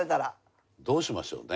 どうしましょうね？